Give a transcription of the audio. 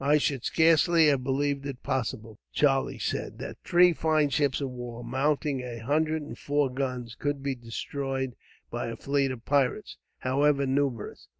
"I should scarcely have believed it possible," Charlie said, "that three fine ships of war, mounting a hundred and four guns, could be destroyed by a fleet of pirates, however numerous.